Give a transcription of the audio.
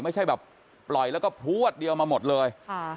ไม่ใช่แบบปล่อยแล้วก็พลวดเดียวมาหมดเลย